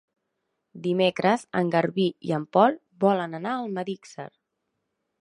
Dimecres en Garbí i en Pol volen anar a Almedíxer.